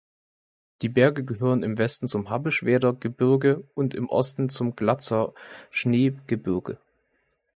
Die Berge gehören im Westen zum Habelschwerdter Gebirge und im Osten zum Glatzer Schneegebirge.